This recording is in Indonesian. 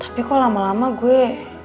tapi kok lama lama gue